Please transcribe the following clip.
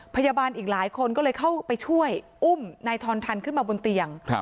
พยาบาลอีกหลายคนก็เลยเข้าไปช่วยอุ้มนายทอนทันขึ้นมาบนเตียง